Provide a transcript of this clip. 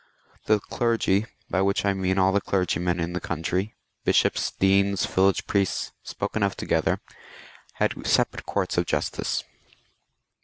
The clergy, by which I mean all the clergymen in the country— bishops, deans, village priests, spoken of together had separate courts of justice.